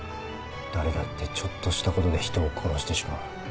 誰だってちょっとしたことで人を殺してしまう。